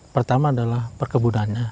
pertama adalah perkebunannya